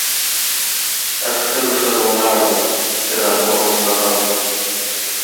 عسکرو سره ولاړ و، څراغونه ورسره و.